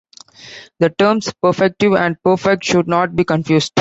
The terms "perfective" and "perfect" should not be confused.